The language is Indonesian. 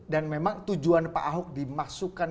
dan memang tujuan pak ahok dimasukkan